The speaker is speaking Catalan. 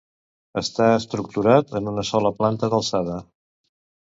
Està estructurat en una sola planta d'alçada.